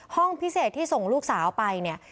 ห้องพิเศษที่ส่งลูกสาวไปเนี่ย